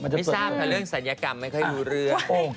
ไม่ทราบแต่เรื่องสัญญากรรมไม่ค่อยอยู่เรื่อย